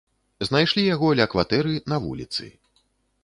Знайшлі яго ля кватэры, на вуліцы.